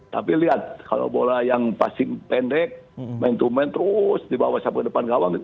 tapi lihat kalau bola yang pasti pendek main to main terus dibawa sampai depan gawang